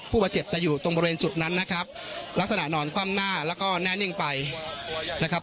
ผู้บาดเจ็บจะอยู่ตรงบริเวณจุดนั้นนะครับลักษณะนอนคว่ำหน้าแล้วก็แน่นิ่งไปนะครับ